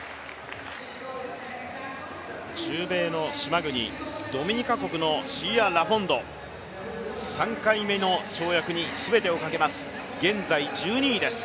中米の島国、ドミニカ国のシーア・ラフォンド、３回目の跳躍に全てをかけます、現在１２位です。